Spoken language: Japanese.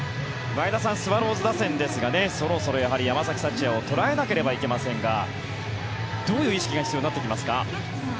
前田さん、スワローズ打線ですがそろそろ山崎福也を捉えなければいけませんがどういう意識が必要になってきますか。